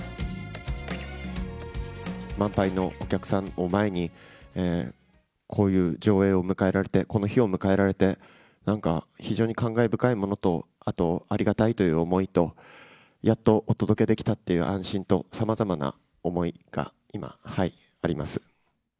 満杯のお客さんを前に、こういう上映を迎えられて、この日を迎えられて、なんか非常に感慨深いものと、あとありがたいという思いと、やっとお届けできたという安心と、さまざまな思いが今、あります。